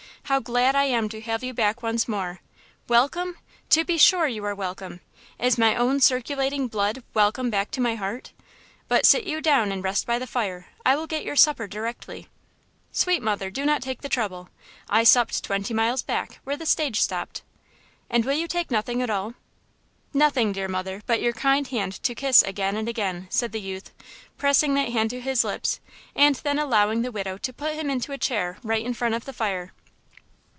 How glad I am to have you back once more! Welcome? To be sure you are welcome! Is my own circulating blood welcome back to my heart? But sit you down and rest by the fire; I will get your supper directly." "Sweet mother, do not take the trouble. I supped twenty miles back, where the stage stopped." "And will you take nothing at all?" "Nothing, dear mother, but your kind hand to kiss again and again!" said the youth, pressing that hand to his lips and then allowing the widow to put him into a chair right in front of the fire.